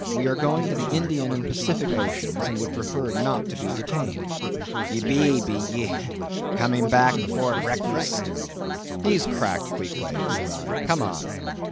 We are going to the Indian and Pacific Oceans, and would prefer not to be detained." "Ye be, be ye? Coming back afore breakfast?" "He's cracked, Queequeg," said I, "come on."